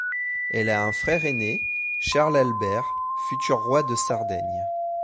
Elle a un frère aîné, Charles-Albert, futur roi de Sardaigne.